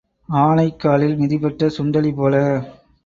ஆனைக் காலில் மிதிபட்ட சுண்டெலி போல.